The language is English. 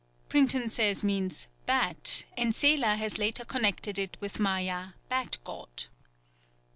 _ Brinton says means "bat," and Seler has later connected it with Maya "Bat God."